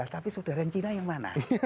tapi saudara cina yang mana